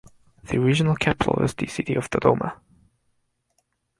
The regional capital is the city of Dodoma.